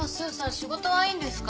仕事はいいんですか？